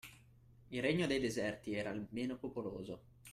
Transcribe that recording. Il Regno dei deserti era il meno popoloso